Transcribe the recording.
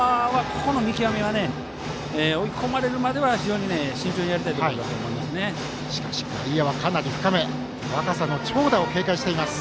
ここの見極めは追い込まれるまで非常に慎重にやりたいところだと思います。